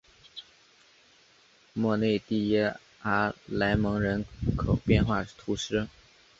莫内蒂耶阿莱蒙人口变化图示